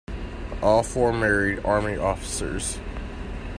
All four married army officers.